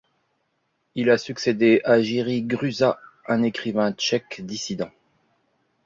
Il y a succédé à Jiří Gruša, un écrivain tchèque dissident.